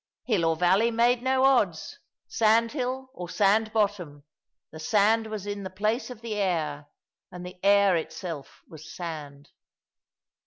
Hill or valley made no odds; sandhill, or sand bottom; the sand was in the place of the air, and the air itself was sand.